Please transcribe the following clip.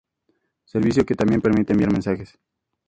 servicio que también permite también enviar mensajes